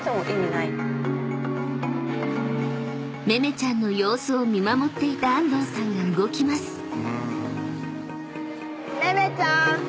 ［めめちゃんの様子を見守っていた安藤さんが動きます］